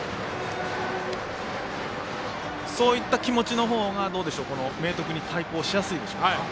そういった気持ちのほうが明徳に対抗しやすいでしょうか？